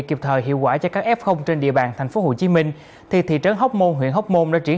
kịp thời hiệu quả cho các f trên địa bàn tp hcm thì thị trấn hóc môn huyện hóc môn đã triển